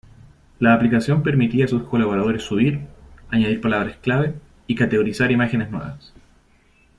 La aplicación permitía a sus colaboradores subir, añadir palabras clave y categorizar imágenes nuevas.